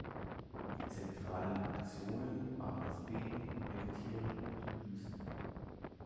Die zentralen Aktionen waren das Beten, Meditieren und Büßen.